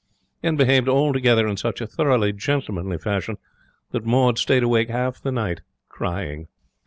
And behaved altogether in such a thoroughly gentlemanly fashion that Maud stayed awake half the night, crying.